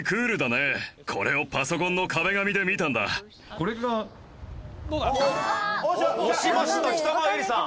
ここは押しました北川悠理さん。